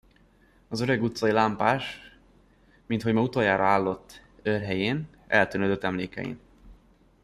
Az öreg utcai lámpás, minthogy ma utoljára állott őrhelyén, eltűnődött emlékein.